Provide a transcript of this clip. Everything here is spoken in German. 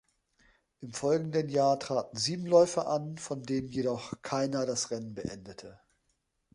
Im folgenden Jahr traten sieben Läufer an, von denen jedoch keiner das Rennen beendete.